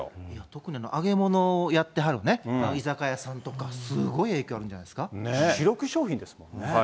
特に揚げ物をやってはる居酒屋さんとか、すごい影響あるんじ主力商品ですもんね。